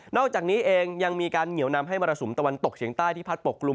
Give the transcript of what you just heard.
อกจากนี้เองยังมีการเหนียวนำให้มรสุมตะวันตกเฉียงใต้ที่พัดปกกลุ่ม